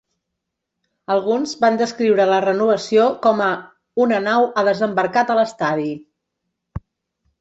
Alguns van descriure la renovació com a "una nau ha desembarcat a l'estadi".